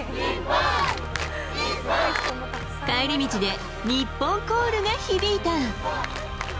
帰り道で日本コールが響いた。